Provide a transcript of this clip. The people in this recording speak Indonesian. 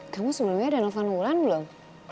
kamu sebelumnya ada novel wulan belum